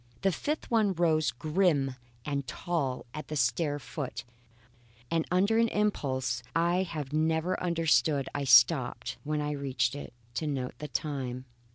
A fifth one rose grim and tall at the stair foot, and under an impulse I have never understood I stopped, when I reached it, to note the time.